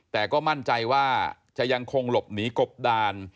แต่ก็มั่นใจว่าจะยังคงหลบหนีกบดาน